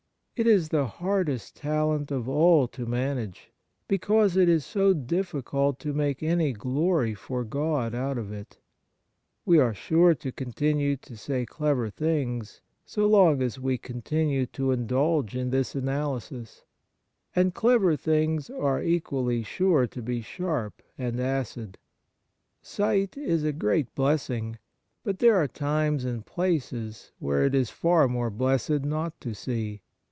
It is the hardest talent of all to manage, because it is so difficult to make any glory for God out of it. We are sure to continue to say clever things so long as we continue to indulge in this analysis ; and clever things are equally sure to be 58 Kindness sharp and acid. Sight is a great blessing, but there are times and places where it is far more blessed not to see.